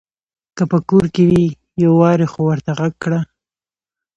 که په کور کې وي يوارې خو ورته غږ کړه !